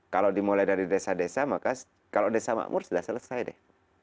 kalau dimulai dari desa desa maka kalau desa makmur sudah selesai deh